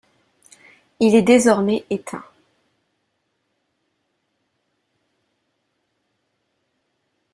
Il est désormais éteint.